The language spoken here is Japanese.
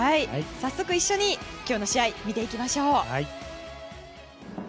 早速、一緒に今日の試合を見ていきましょう。